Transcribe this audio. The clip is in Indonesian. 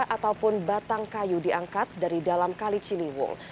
ataupun batang kayu diangkat dari dalam kali ciliwung